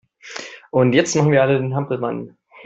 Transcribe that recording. Und jetzt machen wir alle den Hampelmann!